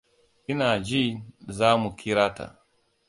Ina jin za mu kira ta.